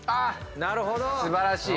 なるほど。